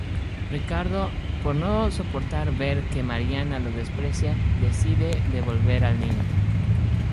Ricardo por no soportar ver que Mariana lo desprecia decide devolverle al niño.